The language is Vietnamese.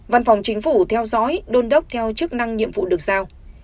văn phòng chính phủ theo dõi đôn đốc theo chức năng nhiệm vụ được giao